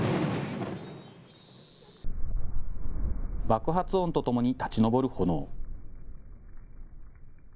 爆発音とともに立ち上る炎。